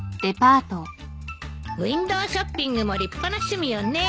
ウインドーショッピングも立派な趣味よね。